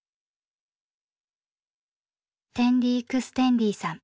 テンディクステンディさん。